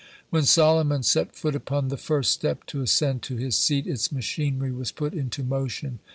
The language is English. When Solomon set foot upon the first step to ascend to his seat, its machinery was put into motion.